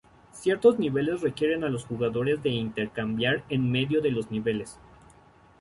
Ciertos niveles requieren a los jugadores de intercambiar en medio de los niveles.